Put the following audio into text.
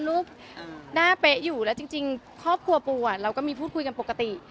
รูปหน้าเป๊ะอยู่แล้วจริงครอบครัวปูเราก็มีพูดคุยกันปกติ